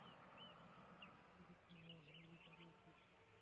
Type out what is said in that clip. তোমার মতো সেক্সি মেয়েরও হলিউডে থাকা উচিত।